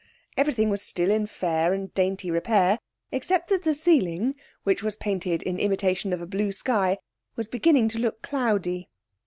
Everything was still in fair and dainty repair, except that the ceiling, which was painted in imitation of a blue sky, was beginning to look cloudy.